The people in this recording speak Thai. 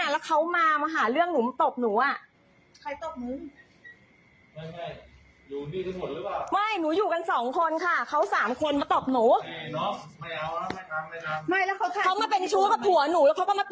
แล้วเขาก็มาตบหนู